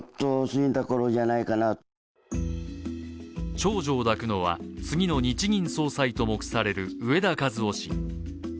長女を抱くのは次の日銀総裁を目される植田和男氏。